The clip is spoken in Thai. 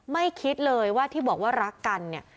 คิดเลยว่าที่บอกว่ารักกันเนี่ย